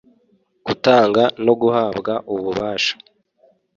gutanga no guhabwa ububasha